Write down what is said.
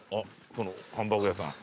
そのハンバーグ屋さん。